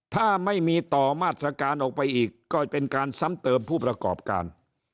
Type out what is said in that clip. ถ้าไม่มีต่อมาตรการออกไปอีกก็เป็นการซ้ำเติมผู้ประกอบการ